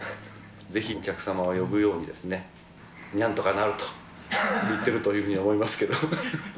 ぜひお客様を呼ぶように、にゃんとかなるといっているというふうに思いますけれども。